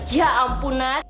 ya ampun nat